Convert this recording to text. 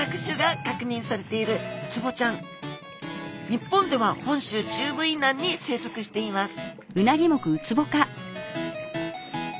日本では本州中部以南に生息しています